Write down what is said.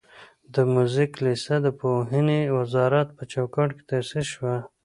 د موزیک لیسه د پوهنې وزارت په چوکاټ کې تاسیس شوه.